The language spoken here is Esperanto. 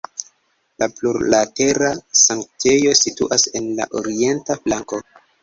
La plurlatera sanktejo situas en la orienta flanko.